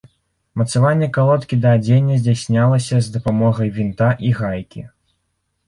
Мацаванне калодкі да адзення здзяйснялася з дапамогай вінта і гайкі.